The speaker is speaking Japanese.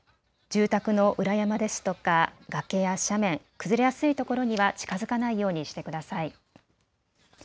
住宅の裏山ですとか崖や斜面、崩れやすいところには近づかないようにしてください。